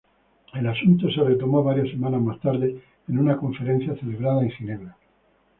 El asunto se retomó varias semanas más tarde, en una conferencia celebrada en Ginebra.